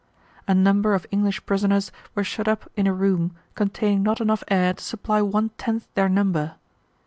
A number of English prisoners were shut up in a room containing not enough air to supply one tenth their number.